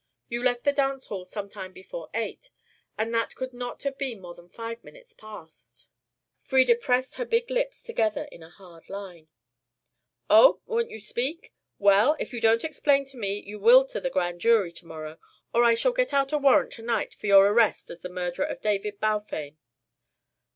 You left the dance hall sometime before eight, and that could not have been more than five minutes past." Frieda pressed her big lips together in a hard line. "Oh, you won't speak. Well, if you don't explain to me, you will to the Grand Jury to morrow. Or I shall get out a warrant to night for your arrest as the murderer of David Balfame."